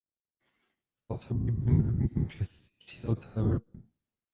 Stal se oblíbeným hudebníkem šlechtických sídel celé Evropy.